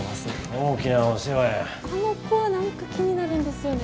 あの子は何か気になるんですよね。